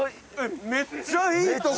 めっちゃいい所！